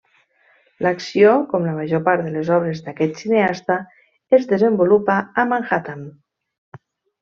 L'acció, com la major part de les obres d'aquest cineasta, es desenvolupa a Manhattan.